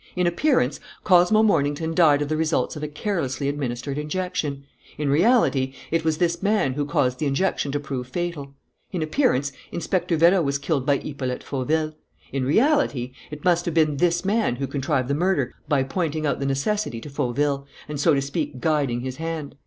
"In appearance, Cosmo Mornington died of the results of a carelessly administered injection. In reality, it was this man who caused the injection to prove fatal. In appearance, Inspector Vérot was killed by Hippolyte Fauville. In reality, it must have been this man who contrived the murder by pointing out the necessity to Fauville and, so to speak, guiding his hand.